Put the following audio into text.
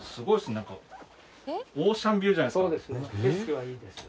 なんかオーシャンビューじゃないですか。